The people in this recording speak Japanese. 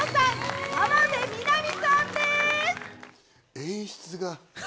演出が。